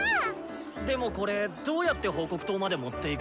でもこれどうやって報告筒まで持っていく？